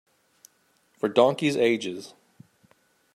For donkeys' ages.